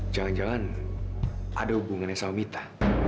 jangan jangan ada hubungannya sama mita